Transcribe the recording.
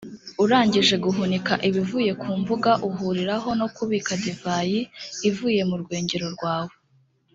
urangije guhunika ibivuye ku mbuga uhuriraho, no kubika divayi ivuye mu rwengero rwawe.